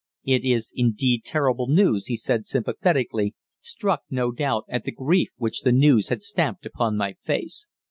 "It is indeed terrible news," he said sympathetically, struck, no doubt, at the grief which the news had stamped upon my face.